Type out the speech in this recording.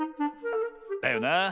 だよなあ。